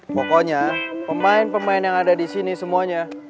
pokoknya pemain pemain yang ada disini semuanya